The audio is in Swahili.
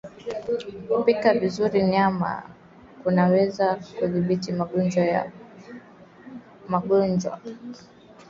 Kupika vizuri nyama kunaweza kudhibiti ugonjwa wa Brusela kwa binadamu